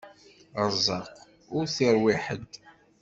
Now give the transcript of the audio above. Ṛṛeẓq ur t-iṛwi ḥedd.